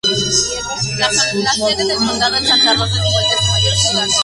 La sede del condado es Santa Rosa, al igual que su mayor ciudad.